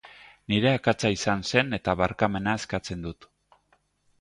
Nire akatsa izan zen eta barkamena eskatzen dut.